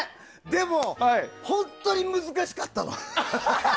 でも、本当に難しかったの。